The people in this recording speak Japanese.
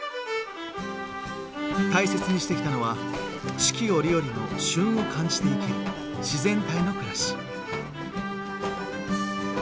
大切にしてきたのは四季折々の旬を感じて生きる自然体の暮らし。